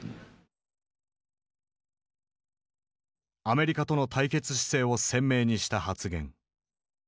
アメリカとの対決姿勢を鮮明にした発言。